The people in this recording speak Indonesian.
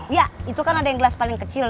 ya itu kan ada yang gelas paling kecil